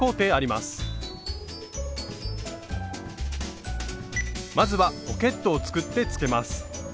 まずはポケットを作ってつけます。